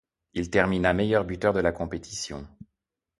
Il terminera meilleur buteur de la compétition.